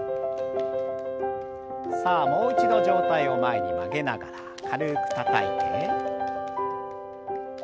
さあもう一度上体を前に曲げながら軽くたたいて。